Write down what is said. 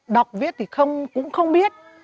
đọc viết thì cũng không biết